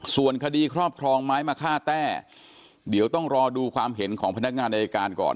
ส่วนคดีครอบครองไม้มะค่าแต้เดี๋ยวต้องรอดูความเห็นของพนักงานอายการก่อน